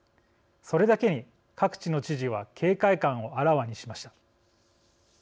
それだけに各地の知事は警戒感をあらわにしました。